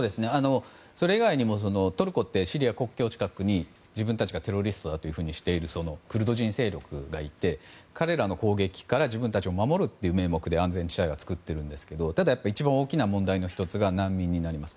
それ以外にもトルコってシリアの国境近くに自分たちがテロリストだとしているクルド人勢力がいて彼らの攻撃から自分たちを守るという名目で安全地帯を作っているんですが一番大きな問題の１つは難民になります。